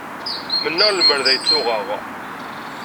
Mennaɣ lemmer d ay tt-uɣeɣ!